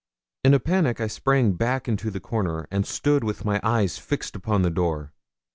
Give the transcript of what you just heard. In a panic I sprang back into the corner, and stood with my eyes fixed upon the door.